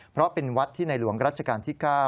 เพราะเป็นวัดที่ในหลวงรัชกาลที่๙